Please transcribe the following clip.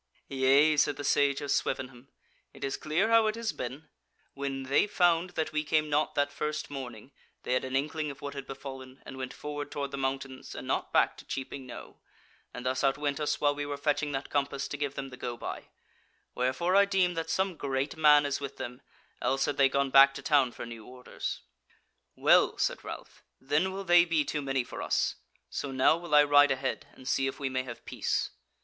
"Yea," said the Sage of Swevenham, "it is clear how it has been: when they found that we came not that first morning, they had an inkling of what had befallen, and went forward toward the mountains, and not back to Cheaping Knowe, and thus outwent us while we were fetching that compass to give them the go by: wherefore I deem that some great man is with them, else had they gone back to town for new orders." "Well," said Ralph, "then will they be too many for us; so now will I ride ahead and see if we may have peace."